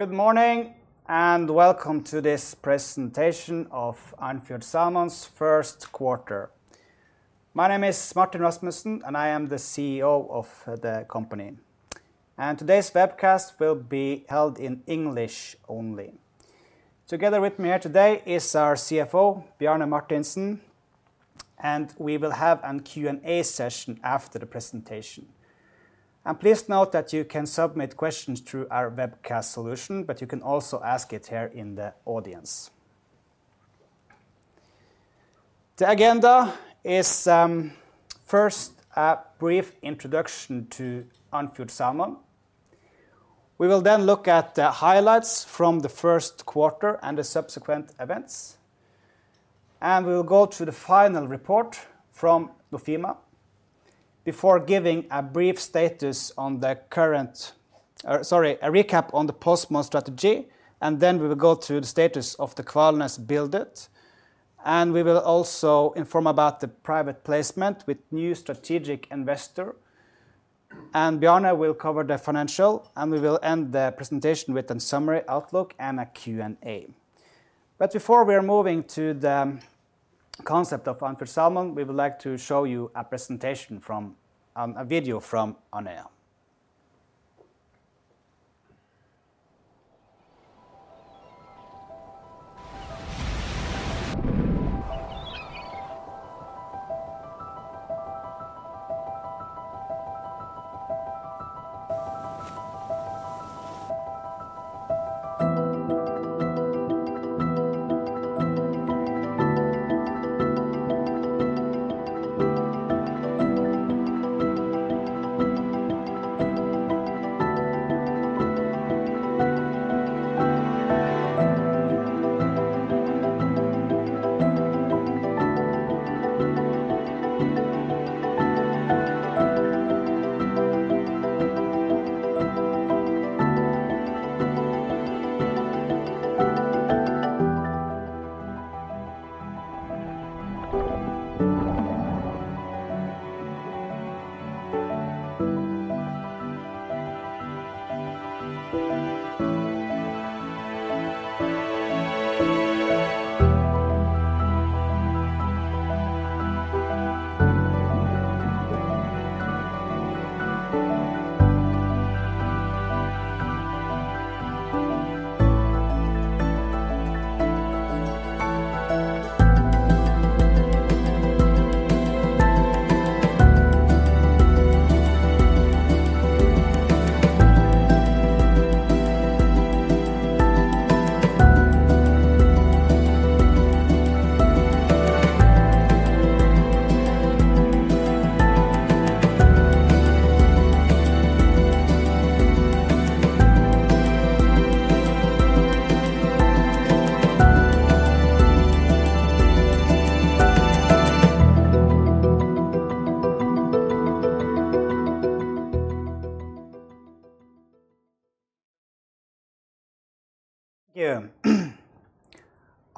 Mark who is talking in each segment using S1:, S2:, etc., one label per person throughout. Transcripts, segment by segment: S1: Good morning and welcome to this presentation of Andfjord Salmon's first quarter. My name is Martin Rasmussen, and I am the CEO of the company. Today's webcast will be held in English only. Together with me here today is our CFO, Bjarne Martinsen, and we will have a Q&A session after the presentation. Please note that you can submit questions through our webcast solution, but you can also ask it here in the audience. The agenda is first a brief introduction to Andfjord Salmon. We will then look at the highlights from the first quarter and the subsequent events. We will go to the final report from Nofima before giving a brief status on the current sorry, a recap on the post-smolt strategy, and then we will go to the status of the Kvalnes build-out. We will also inform about the private placement with new strategic investor. Bjarne will cover the financial, and we will end the presentation with a summary outlook and a Q&A. But before we are moving to the concept of Andfjord Salmon, we would like to show you a presentation from a video from Andøya.
S2: Thank you.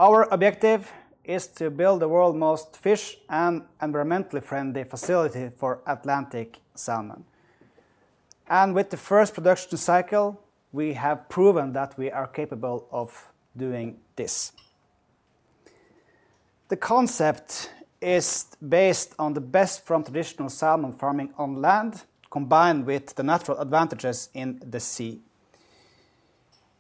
S2: Our objective is to build the world's most fish- and environmentally friendly facility for Atlantic salmon. And with the first production cycle, we have proven that we are capable of doing this. The concept is based on the best from traditional salmon farming on land combined with the natural advantages in the sea.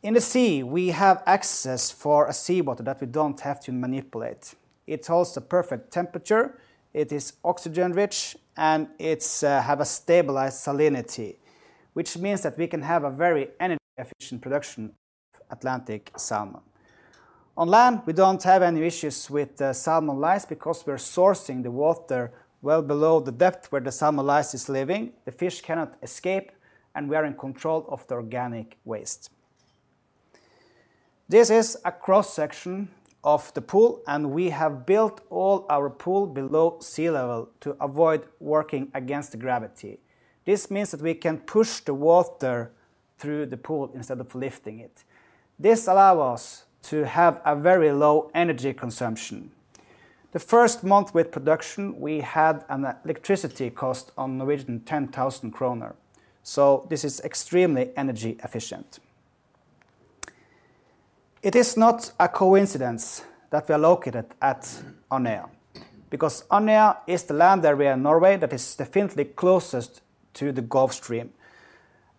S2: In the sea, we have access for seawater that we don't have to manipulate. It holds the perfect temperature. It is oxygen-rich, and it has a stabilized salinity, which means that we can have a very energy-efficient production of Atlantic salmon. On land, we don't have any issues with salmon lice because we're sourcing the water well below the depth where the salmon lice is living. The fish cannot escape, and we are in control of the organic waste. This is a cross-section of the pool, and we have built all our pool below sea level to avoid working against gravity. This means that we can push the water through the pool instead of lifting it. This allows us to have a very low energy consumption. The first month with production, we had an electricity cost of 10,000 kroner. So this is extremely energy-efficient. It is not a coincidence that we are located at Andøya because Andøya is the land area in Norway that is definitely closest to the Gulf Stream.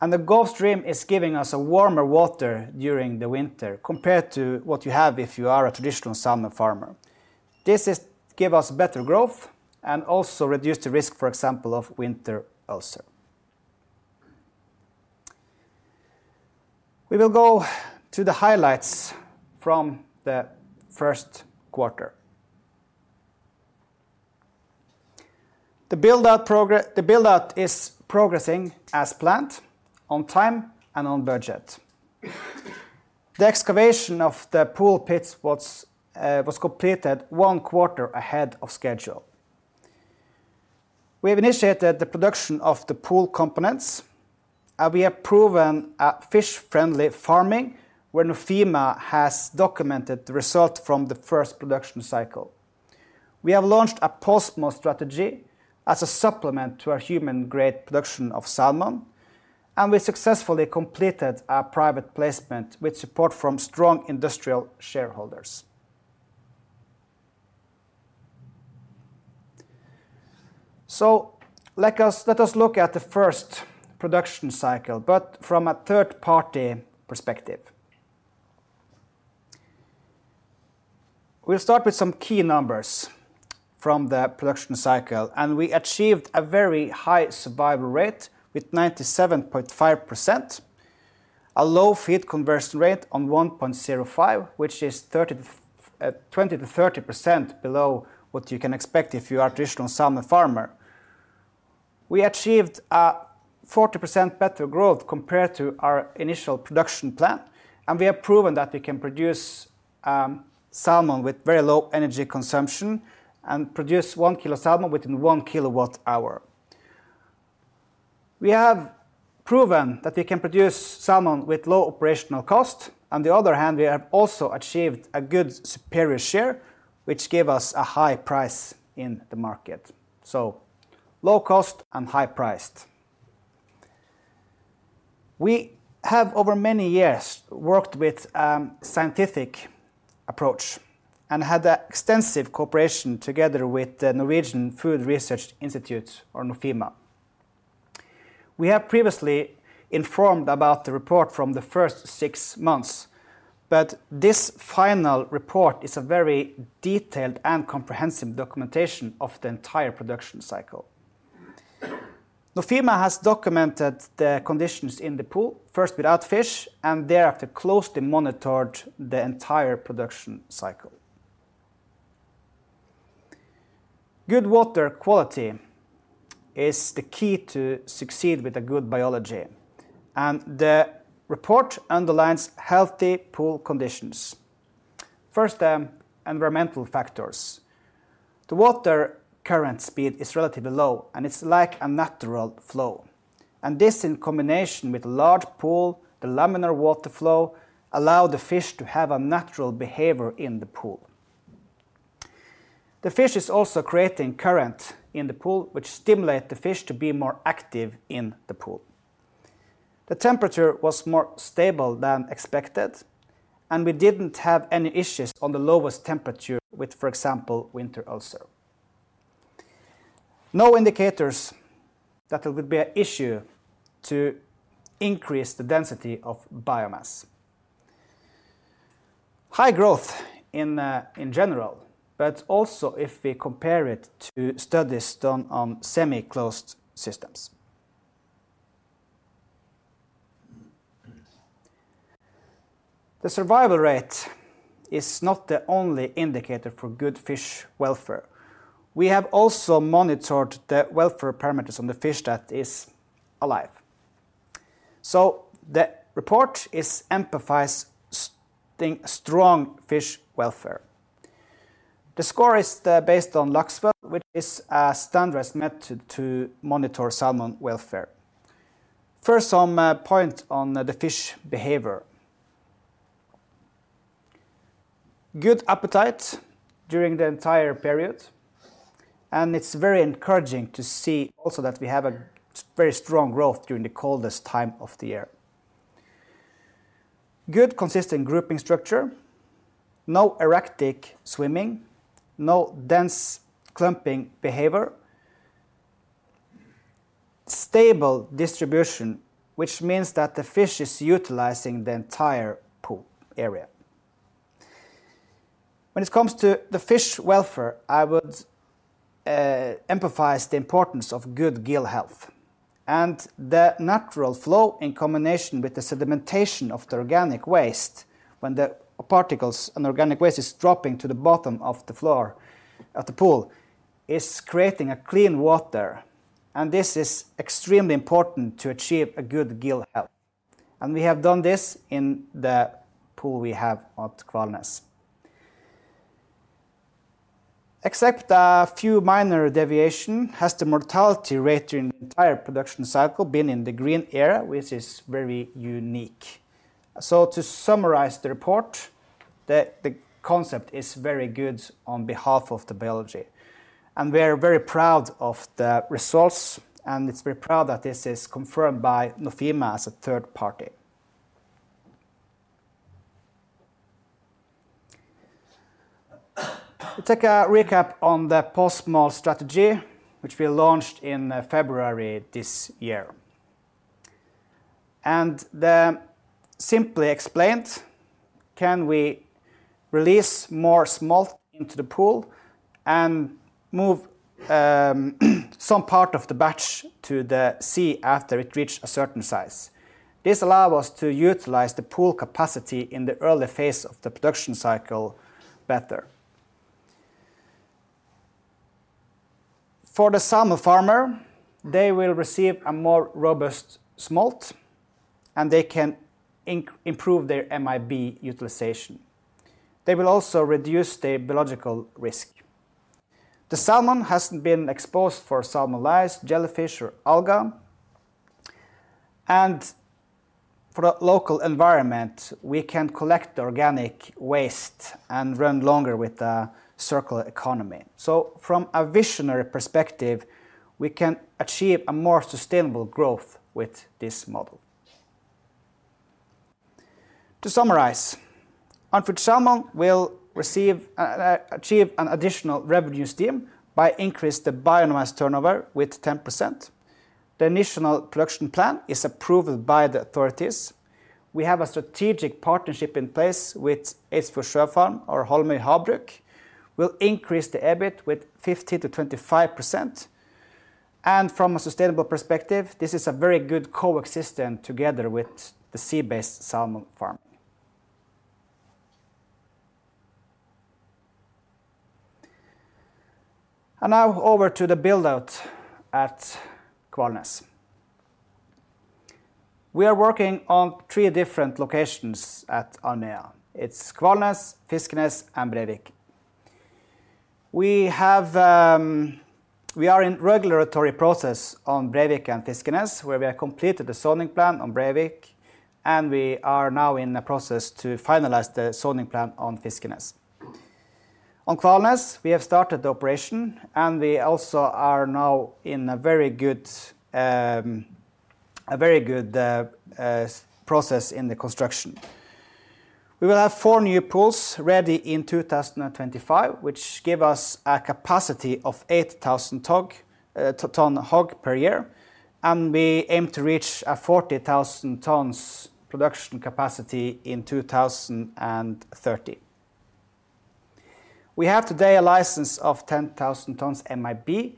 S2: And the Gulf Stream is giving us warmer water during the winter compared to what you have if you are a traditional salmon farmer. This gives us better growth and also reduces the risk, for example, of winter ulcer. We will go to the highlights from the first quarter. The build-out is progressing as planned, on time and on budget. The excavation of the pool pits was completed one quarter ahead of schedule. We have initiated the production of the pool components, and we have proven fish-friendly farming where Nofima has documented the result from the first production cycle. We have launched a post-smolt strategy as a supplement to our human-grade production of salmon, and we successfully completed a private placement with support from strong industrial shareholders. So let us look at the first production cycle, but from a third-party perspective. We'll start with some key numbers from the production cycle, and we achieved a very high survival rate with 97.5%, a low feed conversion rate on 1.05%, which is 20%-30% below what you can expect if you are a traditional salmon farmer. We achieved a 40% better growth compared to our initial production plan, and we have proven that we can produce salmon with very low energy consumption and produce 1 kilo salmon within 1 kWh. We have proven that we can produce salmon with low operational cost. On the other hand, we have also achieved a good superior share, which gave us a high price in the market. So low cost and high priced. We have, over many years, worked with a scientific approach and had extensive cooperation together with the Norwegian Food Research Institute, or Nofima. We have previously informed about the report from the first 6 months, but this final report is a very detailed and comprehensive documentation of the entire production cycle. Nofima has documented the conditions in the pool first without fish and thereafter closely monitored the entire production cycle. Good water quality is the key to succeed with a good biology, and the report underlines healthy pool conditions. First, environmental factors. The water current speed is relatively low, and it's like a natural flow. And this, in combination with a large pool, the laminar water flow allows the fish to have a natural behavior in the pool. The fish is also creating current in the pool, which stimulates the fish to be more active in the pool. The temperature was more stable than expected, and we didn't have any issues on the lowest temperature with, for example, winter ulcer. No indicators that there would be an issue to increase the density of biomass. High growth in general, but also if we compare it to studies done on semi-closed systems. The survival rate is not the only indicator for good fish welfare. We have also monitored the welfare parameters on the fish that is alive. So the report emphasizes strong fish welfare. The score is based on Laksevel, which is a standardized method to monitor salmon welfare. First, some points on the fish behavior. Good appetite during the entire period. And it's very encouraging to see also that we have a very strong growth during the coldest time of the year. Good consistent grouping structure. No erratic swimming. No dense clumping behavior. Stable distribution, which means that the fish is utilizing the entire pool area. When it comes to the fish welfare, I would emphasize the importance of good gill health and the natural flow in combination with the sedimentation of the organic waste. When the particles and organic waste are dropping to the bottom of the floor of the pool, it's creating clean water. This is extremely important to achieve good gill health. We have done this in the pool we have at Kvalnes. Except a few minor deviations, the mortality rate during the entire production cycle has been in the green area, which is very unique. To summarize the report, the concept is very good on behalf of the biology. We are very proud of the results, and it's very proud that this is confirmed by Nofima as a third party. Let's take a recap on the post-smolt strategy, which we launched in February this year. Simply explained, can we release more smolt into the pool and move some part of the batch to the sea after it reached a certain size? This allows us to utilize the pool capacity in the early phase of the production cycle better. For the salmon farmer, they will receive a more robust smolt, and they can improve their MAB utilization. They will also reduce the biological risk. The salmon hasn't been exposed for salmon lice, jellyfish, or algae. For the local environment, we can collect organic waste and run longer with a circular economy. From a visionary perspective, we can achieve more sustainable growth with this model. To summarize, Andfjord Salmon will achieve an additional revenue stream by increasing the biomass turnover with 10%. The initial production plan is approved by the authorities. We have a strategic partnership in place with Eidsfjord Sjøfarm, or Holmøy Havbruk. We'll increase the EBIT with 15%-25%. From a sustainable perspective, this is very good coexistence together with the sea-based salmon farming. Now over to the build-out at Kvalnes. We are working on three different locations at Andøya. It's Kvalnes, Fiskenes, and Brevik. We are in the regulatory process on Brevik and Fiskenes, where we have completed the zoning plan on Brevik, and we are now in the process to finalize the zoning plan on Fiskenes. On Kvalnes, we have started the operation, and we also are now in a very good process in the construction. We will have four new pools ready in 2025, which gives us a capacity of 8,000 tonnes HOG per year. And we aim to reach 40,000 tonnes production capacity in 2030. We have today a license of 10,000 tonnes MAB,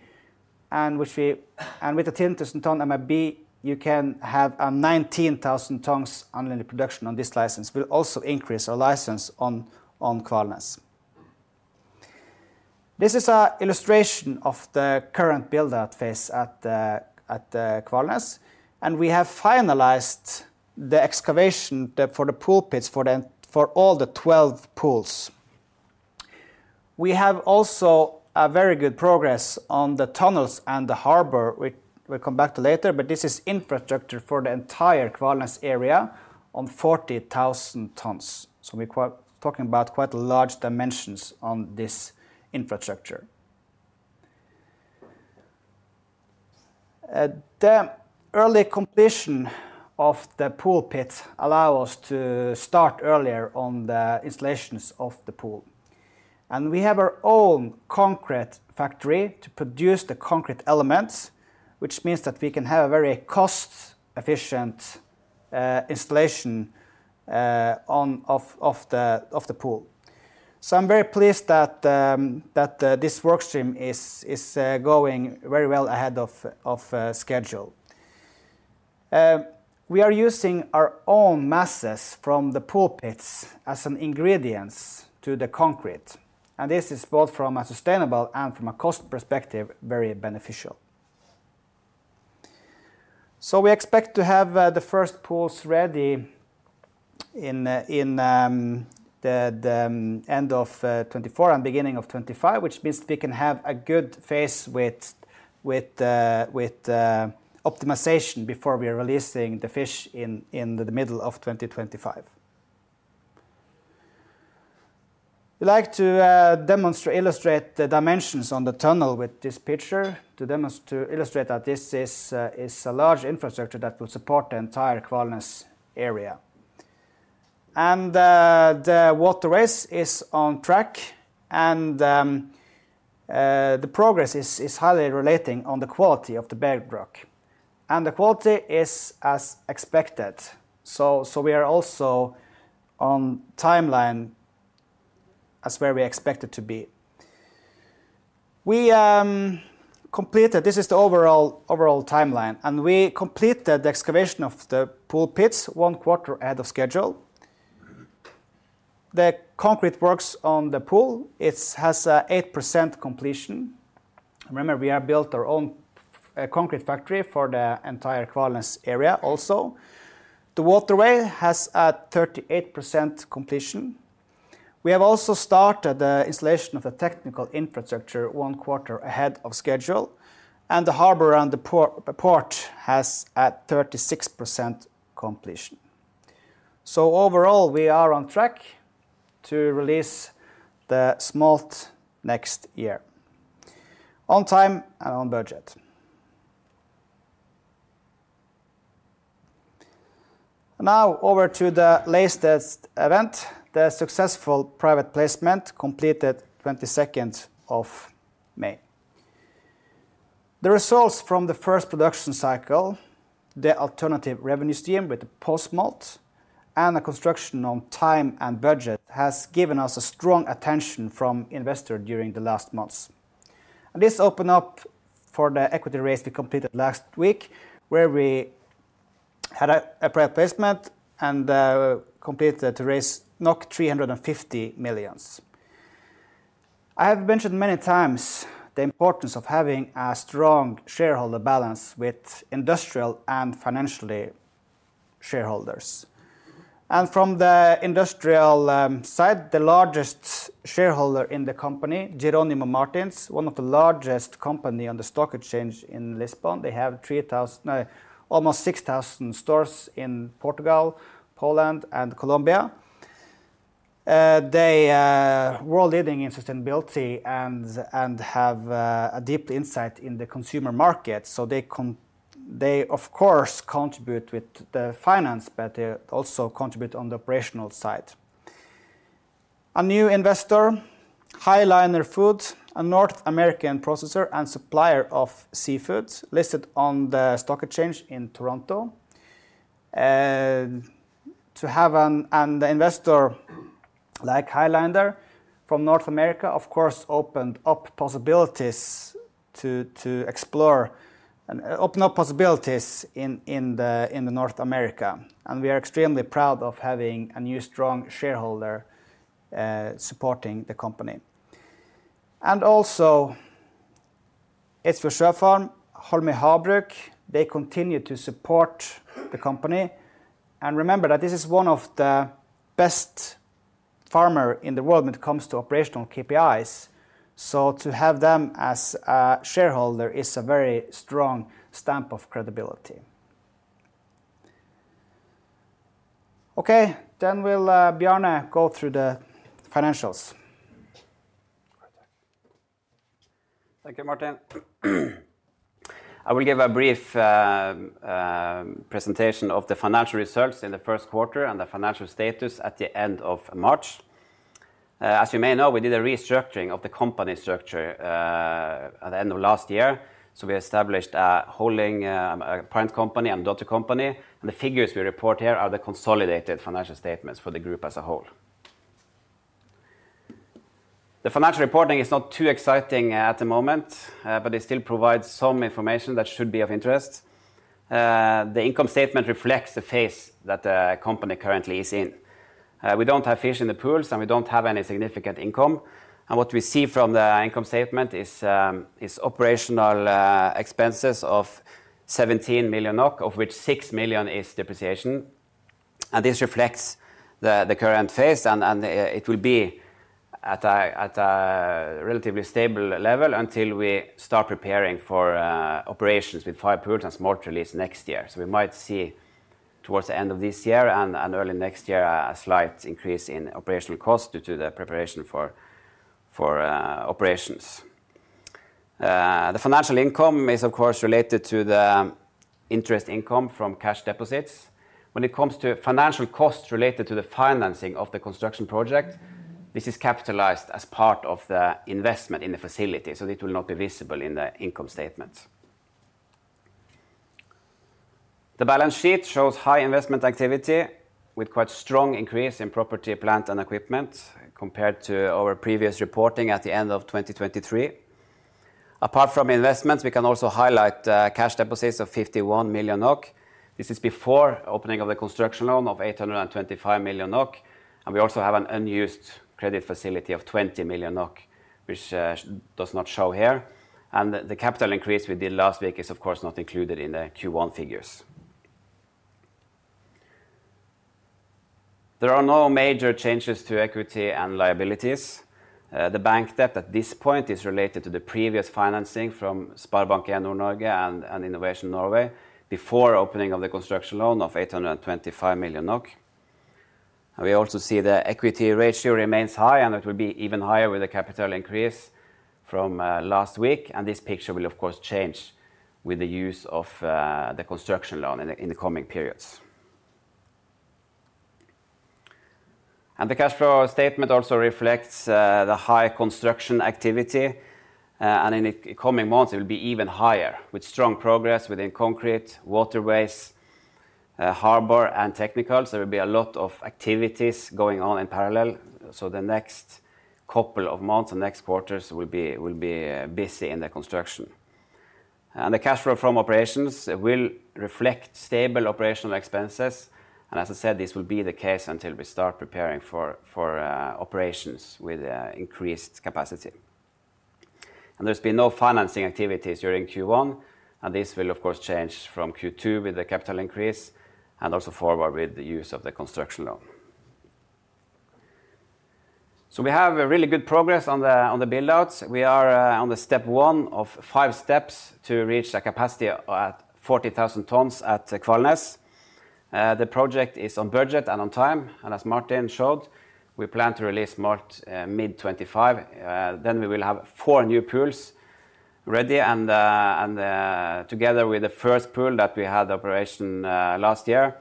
S2: and with the 10,000 tonnes MAB, you can have 19,000 tonnes unlimited production on this license. We'll also increase our license on Kvalnes. This is an illustration of the current build-out phase at Kvalnes. And we have finalized the excavation for the pool pits for all the 12 pools. We have also very good progress on the tunnels and the harbor, which we'll come back to later, but this is infrastructure for the entire Kvalnes area on 40,000 tonnes. So we're talking about quite large dimensions on this infrastructure. The early completion of the pool pits allows us to start earlier on the installations of the pool. And we have our own concrete factory to produce the concrete elements, which means that we can have a very cost-efficient installation of the pool. So I'm very pleased that this workstream is going very well ahead of schedule. We are using our own masses from the pool pits as ingredients to the concrete. And this is both from a sustainable and from a cost perspective, very beneficial. So we expect to have the first pools ready in the end of 2024 and beginning of 2025, which means that we can have a good phase with optimization before we are releasing the fish in the middle of 2025. I'd like to illustrate the dimensions on the tunnel with this picture to illustrate that this is a large infrastructure that will support the entire Kvalnes area. The waterways are on track, and the progress is highly relating to the quality of the bedrock. The quality is as expected. We are also on the timeline as where we expected to be. This is the overall timeline. We completed the excavation of the pool pits one quarter ahead of schedule. The concrete works on the pool have 8% completion. Remember, we have built our own concrete factory for the entire Kvalnes area also. The waterway has 38% completion. We have also started the installation of the technical infrastructure one quarter ahead of schedule. The harbor and the port have 36% completion. Overall, we are on track to release the smolt next year, on time and on budget. Now over to the latest event, the successful private placement completed on the 22nd of May. The results from the first production cycle, the alternative revenue stream with the post-smolt, and the construction on time and budget have given us strong attention from investors during the last months. This opened up for the equity raise we completed last week, where we had a private placement and completed to raise 350 million. I have mentioned many times the importance of having a strong shareholder balance with industrial and financial shareholders. And from the industrial side, the largest shareholder in the company, Jerónimo Martins, one of the largest companies on the stock exchange in Lisbon. They have almost 6,000 stores in Portugal, Poland, and Colombia. They are world-leading in sustainability and have a deep insight in the consumer market. So they, of course, contribute with the finance, but they also contribute on the operational side. A new investor, High Liner Foods, a North American processor and supplier of seafood listed on the stock exchange in Toronto. And the investor like High Liner from North America, of course, opened up possibilities to explore and opened up possibilities in North America. And we are extremely proud of having a new strong shareholder supporting the company. And also, Eidsfjord Sjøfarm, Holmøy Havbruk, they continue to support the company. Remember that this is one of the best farmers in the world when it comes to operational KPIs. So to have them as a shareholder is a very strong stamp of credibility.
S1: Okay, then we'll, Bjarne, go through the financials.
S3: Thank you, Martin. I will give a brief presentation of the financial results in the first quarter and the financial status at the end of March. As you may know, we did a restructuring of the company structure at the end of last year. So we established a holding parent company and daughter company. And the figures we report here are the consolidated financial statements for the group as a whole. The financial reporting is not too exciting at the moment, but it still provides some information that should be of interest. The income statement reflects the phase that the company currently is in. We don't have fish in the pools, and we don't have any significant income. What we see from the income statement is operational expenses of 17 million NOK, of which 6 million is depreciation. This reflects the current phase. It will be at a relatively stable level until we start preparing for operations with five pools and smolt release next year. We might see towards the end of this year and early next year a slight increase in operational costs due to the preparation for operations. The financial income is, of course, related to the interest income from cash deposits. When it comes to financial costs related to the financing of the construction project, this is capitalized as part of the investment in the facility. It will not be visible in the income statements. The balance sheet shows high investment activity with quite a strong increase in property, plant, and equipment compared to our previous reporting at the end of 2023. Apart from investments, we can also highlight cash deposits of 51 million NOK. This is before opening of the construction loan of 825 million NOK. And we also have an unused credit facility of 20 million NOK, which does not show here. And the capital increase we did last week is, of course, not included in the Q1 figures. There are no major changes to equity and liabilities. The bank debt at this point is related to the previous financing from SpareBank 1 Nord-Norge and Innovation Norway before opening of the construction loan of 825 million NOK. And we also see the equity ratio remains high, and it will be even higher with the capital increase from last week. This picture will, of course, change with the use of the construction loan in the coming periods. The cash flow statement also reflects the high construction activity. In the coming months, it will be even higher with strong progress within concrete, waterways, harbor, and technicals. There will be a lot of activities going on in parallel. The next couple of months and next quarters will be busy in the construction. The cash flow from operations will reflect stable operational expenses. As I said, this will be the case until we start preparing for operations with increased capacity. There's been no financing activities during Q1. This will, of course, change from Q2 with the capital increase and also forward with the use of the construction loan. We have really good progress on the build-outs. We are on step one of five steps to reach a capacity at 40,000 tonnes at Kvalnes. The project is on budget and on time. As Martin showed, we plan to release smolt mid-2025. Then we will have four new pools ready. Together with the first pool that we had operation last year,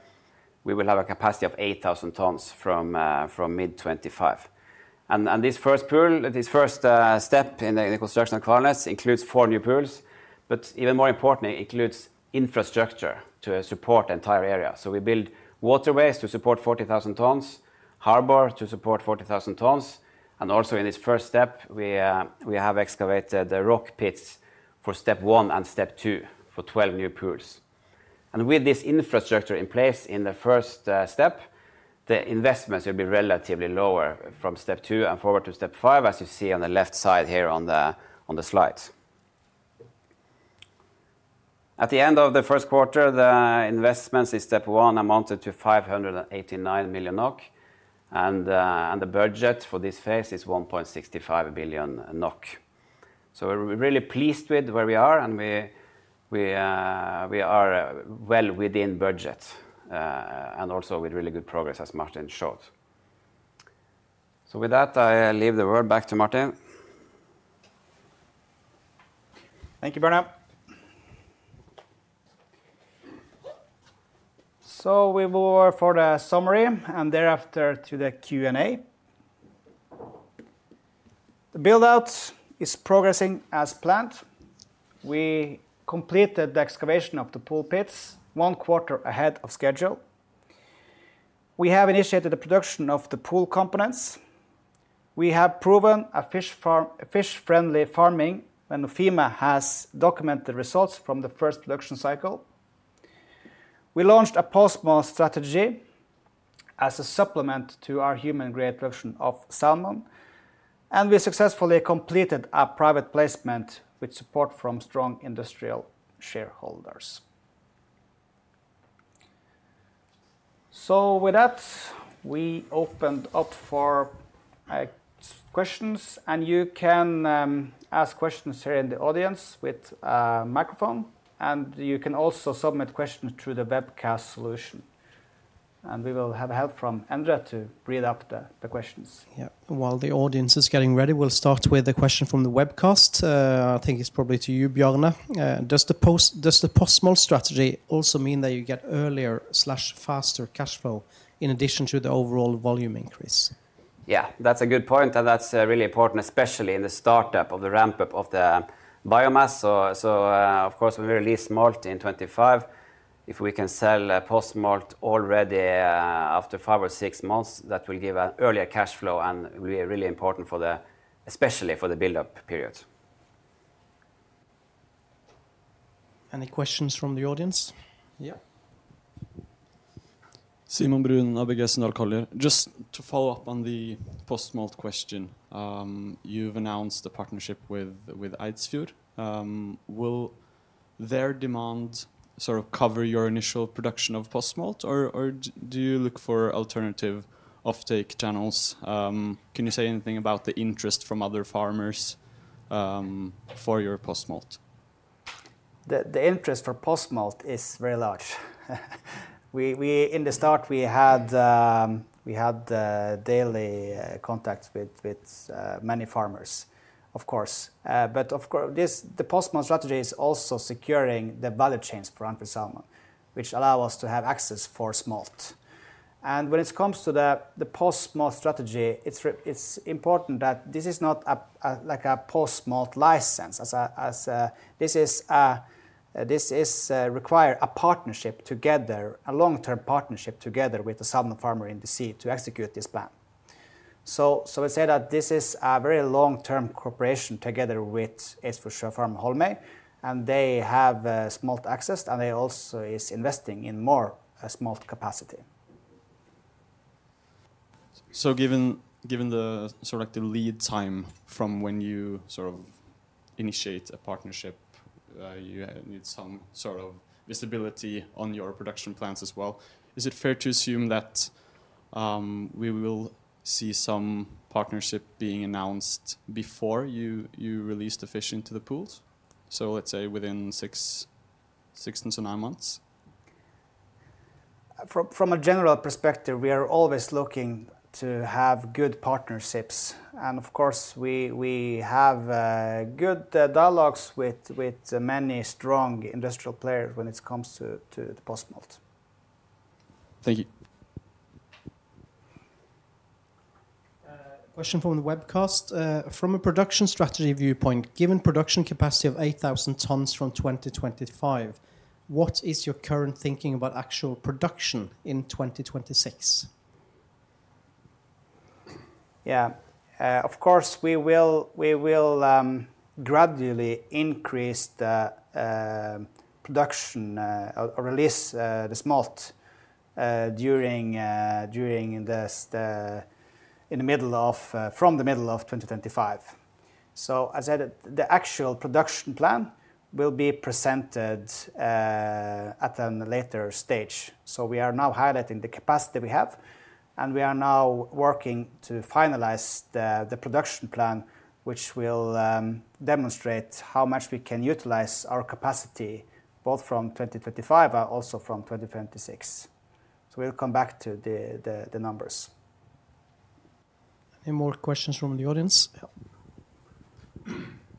S3: we will have a capacity of 8,000 tonnes from mid-2025. This first step in the construction of Kvalnes includes four new pools. Even more importantly, it includes infrastructure to support the entire area. We build waterways to support 40,000 tonnes, harbor to support 40,000 tonnes. Also in this first step, we have excavated the rock pits for step one and step two for 12 new pools. With this infrastructure in place in the first step, the investments will be relatively lower from step two and forward to step five, as you see on the left side here on the slide. At the end of the first quarter, the investments in step one amounted to 589 million NOK. The budget for this phase is 1.65 billion NOK. So we're really pleased with where we are, and we are well within budget and also with really good progress, as Martin showed. So with that, I leave the word back to Martin.
S1: Thank you, Bjarne. We move over for the summary and thereafter to the Q&A. The build-out is progressing as planned. We completed the excavation of the pool pits one quarter ahead of schedule. We have initiated the production of the pool components. We have proven a fish-friendly farming when Nofima has documented results from the first production cycle. We launched a post-smolt strategy as a supplement to our human-grade production of salmon. We successfully completed a private placement with support from strong industrial shareholders. With that, we open up for questions. You can ask questions here in the audience with a microphone. You can also submit questions through the webcast solution. We will have help from Endre to read up the questions.
S4: Yeah. While the audience is getting ready, we'll start with a question from the webcast. I think it's probably to you, Bjarne. Does the post-smolt strategy also mean that you get earlier/faster cash flow in addition to the overall volume increase?
S3: Yeah, that's a good point. That's really important, especially in the startup of the ramp-up of the biomass. So of course, when we release smolt in 2025, if we can sell post-smolt already after five or six months, that will give an earlier cash flow and will be really important for the, especially for the build-up period.
S4: Any questions from the audience?
S5: Yeah. Simon Brun, ABG Sundal Collier. Just to follow up on the post-smolt question, you've announced a partnership with Eidsfjord. Will their demand sort of cover your initial production of post-smolt, or do you look for alternative offtake channels? Can you say anything about the interest from other farmers for your post-smolt?
S1: The interest for post-smolt is very large. In the start, we had daily contact with many farmers, of course. But of course, the post-smolt strategy is also securing the value chains for Andfjord Salmon, which allow us to have access to smolt. And when it comes to the post-smolt strategy, it's important that this is not like a post-smolt license. This requires a partnership together, a long-term partnership together with the salmon farmer in the sea to execute this plan. So we say that this is a very long-term cooperation together with Eidsfjord Sjøfarm Holmøy. And they have smolt access, and they also are investing in more smolt capacity.
S5: So given the sort of lead time from when you sort of initiate a partnership, you need some sort of visibility on your production plants as well. Is it fair to assume that we will see some partnership being announced before you release the fish into the pools? So let's say within 6 months or 9 months?
S1: From a general perspective, we are always looking to have good partnerships. And of course, we have good dialogues with many strong industrial players when it comes to the post-smolt.
S5: Thank you.
S4: Question from the webcast. From a production strategy viewpoint, given production capacity of 8,000 tonnes from 2025, what is your current thinking about actual production in 2026?
S1: Yeah. Of course, we will gradually increase the production or release the smolt in the middle of, from the middle of 2025. So as I said, the actual production plan will be presented at a later stage. So we are now highlighting the capacity we have. And we are now working to finalize the production plan, which will demonstrate how much we can utilize our capacity both from 2025 and also from 2026. So we'll come back to the numbers.
S4: Any more questions from the audience?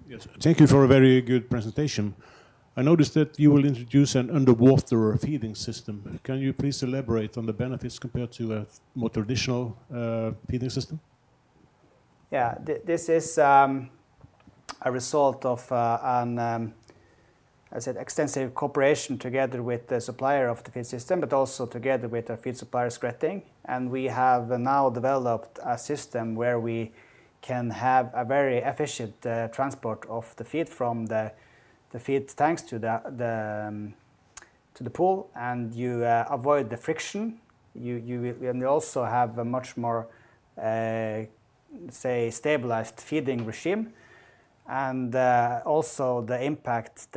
S6: Yes. Thank you for a very good presentation. I noticed that you will introduce an underwater feeding system. Can you please elaborate on the benefits compared to a more traditional feeding system?
S1: Yeah. This is a result of an, as I said, extensive cooperation together with the supplier of the feed system, but also together with our feed supplier Skretting. We have now developed a system where we can have a very efficient transport of the feed from the feed tanks to the pool. You avoid the friction. You also have a much more, say, stabilized feeding regime. Also the impact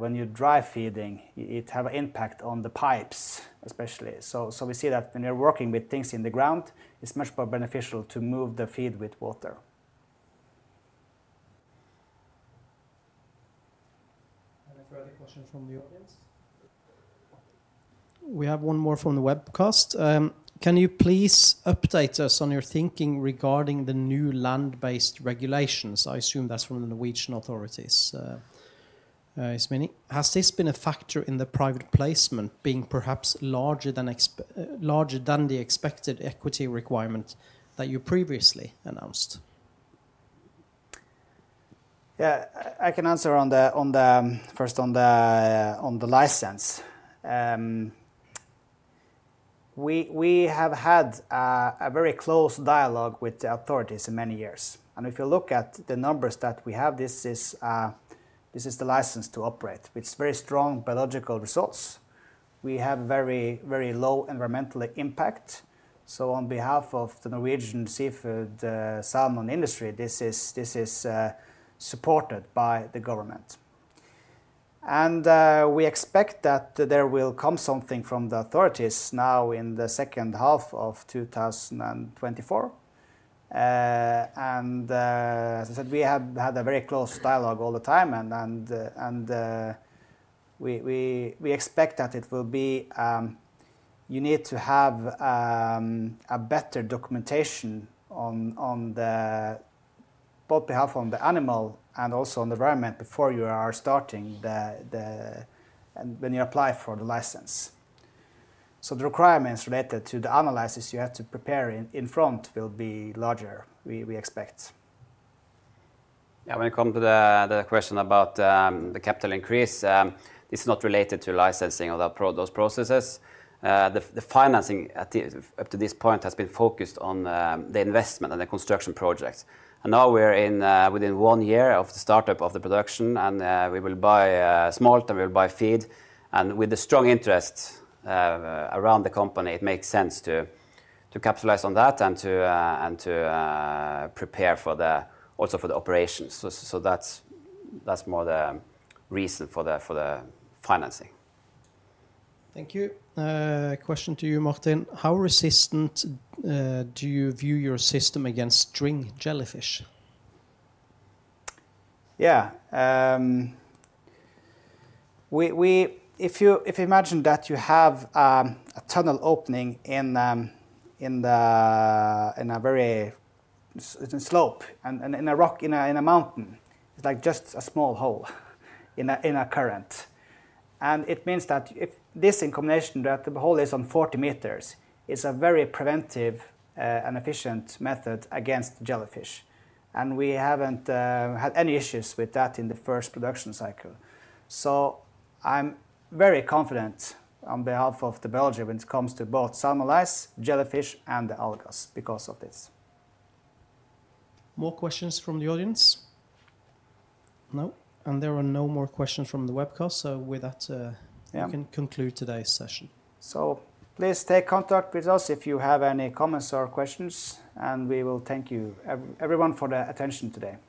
S1: when you dry feeding, it has an impact on the pipes, especially. So we see that when you're working with things in the ground, it's much more beneficial to move the feed with water.
S4: Any further questions from the audience? We have one more from the webcast. Can you please update us on your thinking regarding the new land-based regulations? I assume that's from the Norwegian authorities. Yes, Martin, has this been a factor in the private placement being perhaps larger than the expected equity requirement that you previously announced?
S1: Yeah. I can answer first on the license. We have had a very close dialogue with the authorities in many years. And if you look at the numbers that we have, this is the license to operate with very strong biological results. We have very low environmental impact. So on behalf of the Norwegian seafood salmon industry, this is supported by the government. And we expect that there will come something from the authorities now in the second half of 2024. And as I said, we have had a very close dialogue all the time. And we expect that it will be you need to have a better documentation both on behalf of the animal and also on the environment before you are starting when you apply for the license. So the requirements related to the analysis you have to prepare in front will be larger, we expect.
S3: Yeah. When it comes to the question about the capital increase, this is not related to licensing or those processes. The financing up to this point has been focused on the investment and the construction project. And now we're within one year of the startup of the production. And we will buy salt, and we will buy feed. And with the strong interest around the company, it makes sense to capitalize on that and to prepare also for the operations. So that's more the reason for the financing.
S4: Thank you. Question to you, Martin. How resistant do you view your system against stinging jellyfish?
S1: Yeah. If you imagine that you have a tunnel opening in a very slope and in a rock, in a mountain, it's like just a small hole in a current. It means that if this, in combination, that the hole is at 40 m, it's a very preventive and efficient method against jellyfish. We haven't had any issues with that in the first production cycle. So I'm very confident on behalf of the biology when it comes to both salmonids, jellyfish, and the algae because of this.
S4: More questions from the audience? No? And there are no more questions from the webcast. So with that, we can conclude today's session.
S1: Please take contact with us if you have any comments or questions. We will thank you, everyone, for the attention today. Thank you.